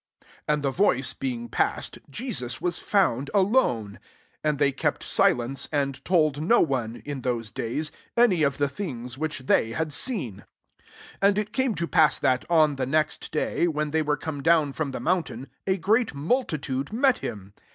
36 And the voice being pa3t, Je^us was found aIooe« And th^ey kept silence, and told no one, in those days, any of the things which they bad seen. Sr And it came to pass that, on the next day, when they weire come down from the mountain, a great multitude met him.